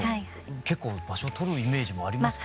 結構場所とるイメージもありますけど。